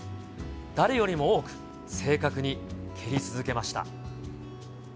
誰よりも多く、正確に蹴り続けました。